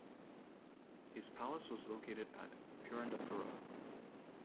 His palace was located at Purandarapura.